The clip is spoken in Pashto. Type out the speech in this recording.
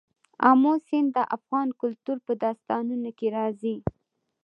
آمو سیند د افغان کلتور په داستانونو کې راځي.